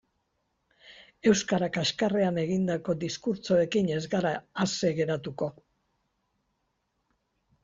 Euskara kaxkarrean egindako diskurtsoekin ez gara ase geratuko.